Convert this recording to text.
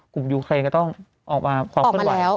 กลุ่มยูเครนก็ต้องออกมาเพราะขึ้นไว้